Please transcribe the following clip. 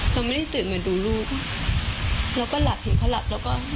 เราไม่ได้ตื่นมาดูลูกเราก็หลับเห็นเขาหลับแล้วก็